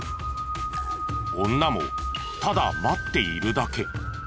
女もただ待っているだけ。